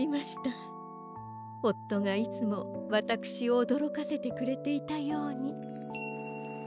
おっとがいつもわたくしをおどろかせてくれていたように。